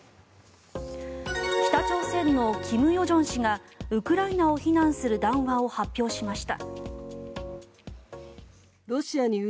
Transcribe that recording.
北朝鮮の金与正氏がウクライナを非難する談話を発表しました。